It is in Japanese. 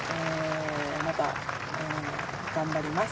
また頑張ります。